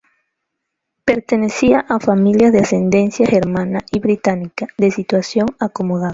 Pertenecía a familias de ascendencia germana y británica, de situación acomodada.